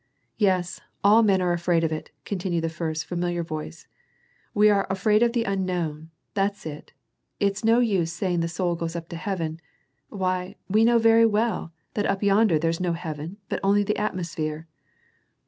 " Y'es, all men are afraid of it," continued the first familiar voice. " We are afraid of the unknown ; that's it. It's no use saying the soul goes up to heaven ; why, we know very well that up yonder there's no heaven, but only the atmosphere."